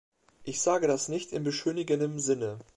Ich sage das nicht in beschönigendem Sinne.